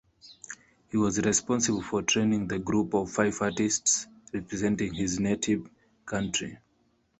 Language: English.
He was responsible for training the group of five artists representing his native country.